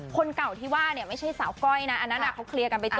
คนเก่าที่ว่าเนี่ยไม่ใช่สาวก้อยนะอันนั้นเขาเคลียร์กันไปจบ